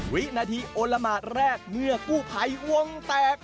วินาทีโอละหมาดแรกเมื่อกู้ภัยวงแตก